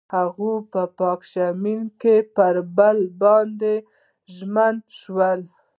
هغوی په پاک شعله کې پر بل باندې ژمن شول.